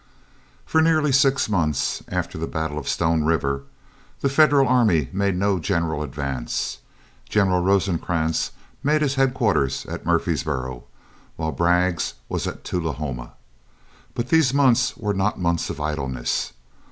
For nearly six months after the battle of Stone River, the Federal army made no general advance. General Rosecrans made his headquarters at Murfreesboro, while Bragg's was at Tullahoma. But these months were not months of idleness.